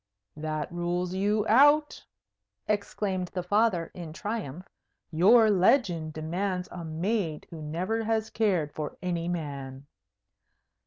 "That rules you out!" exclaimed the Father, in triumph. "Your legend demands a maid who never has cared for any man."